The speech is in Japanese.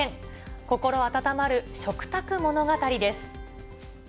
心温まる食卓物語です。